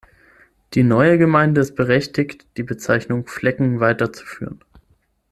Die neue Gemeinde ist berechtigt, die Bezeichnung Flecken weiterzuführen.